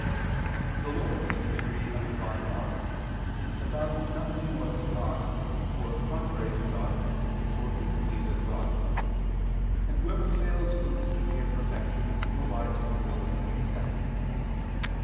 The lowest degree of Divine love is to love nothing more than God, or contrary to God, or equally with God, and whoever fails from this degree of perfection nowise fulfils the precept.